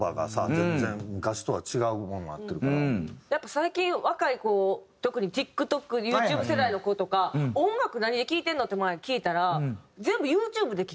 やっぱ最近若い子特にＴｉｋＴｏｋユーチューブ世代の子とか「音楽何で聴いてるの？」って前聞いたら全部ユーチューブで聴くって。